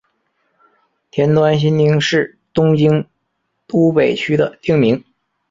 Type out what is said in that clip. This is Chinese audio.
田端新町是东京都北区的町名。